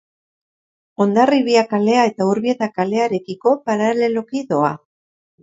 Hondarribia kalea eta Urbieta kalearekiko paraleloki doa.